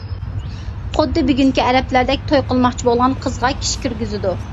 خۇددى بۈگۈنكى ئەرەبلەردەك توي قىلماقچى بولغان قىزغا كىشى كىرگۈزىدۇ.